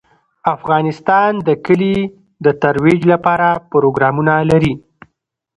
افغانستان د کلي د ترویج لپاره پروګرامونه لري.